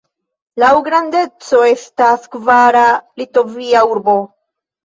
Laŭ grandeco estas kvara Litovia urbo.